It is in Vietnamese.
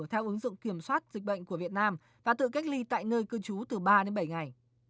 theo ứng dụng kiểm soát dịch bệnh của việt nam và tự cách ly tại nơi cư trú từ ba đến bảy ngày